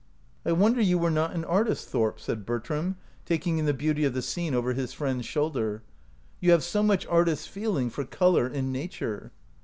" I wonder you were not an artist, Thorp," said Bertram, taking in the beauty of the scene over his friend's shoulder. "You have so much artist's feeling for color in nature."